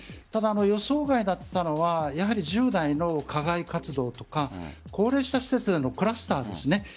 ただ、予想外だったのは１０代の課外活動とか高齢者施設でのクラスターです。